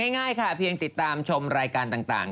ง่ายค่ะเพียงติดตามชมรายการต่าง